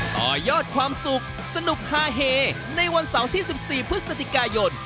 ต่อยอดความสุขสนุกฮาเฮในวันเสาร์ที่๑๔พฤศจิกายน